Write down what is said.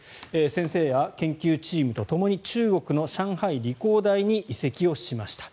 先生は研究チームとともに中国の上海理工大に移籍しました。